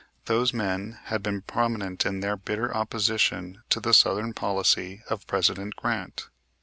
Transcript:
Those men had been prominent in their bitter opposition to the southern policy of President Grant.